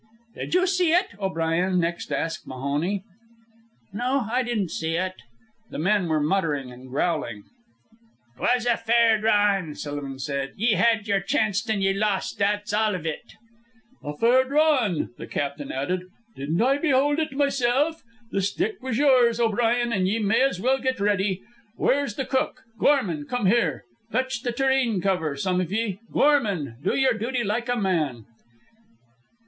"Did you see ut?" O'Brien next asked Mahoney. "No, I didn't see ut." The men were muttering and growling. "'Twas a fair drawin'," Sullivan said. "Ye had yer chanct an' ye lost, that's all iv ut." "A fair drawin'," the captain added. "Didn't I behold it myself? The stick was yours, O'Brien, an' ye may as well get ready. Where's the cook? Gorman, come here. Fetch the tureen cover, some of ye. Gorman, do your duty like a man."